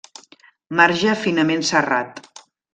Marge finament serrat.